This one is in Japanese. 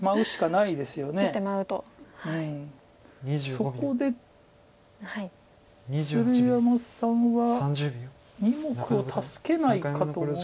そこで鶴山さんは２目を助けないかと思う。